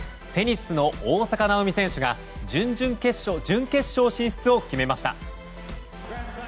テニスの大坂なおみ選手が準決勝進出を決めました。